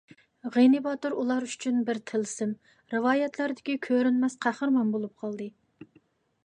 غېنى باتۇر ئۇلار ئۈچۈن بىر تىلسىم، رىۋايەتلەردىكى كۆرۈنمەس قەھرىمان بولۇپ قالدى.